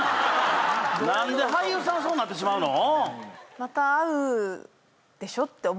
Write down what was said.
何で俳優さんそうなってしまうの？